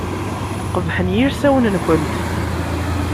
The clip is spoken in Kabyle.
Qebḥen yilsawen-nkent.